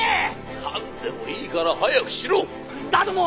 「何でもいいから早くしろ！」。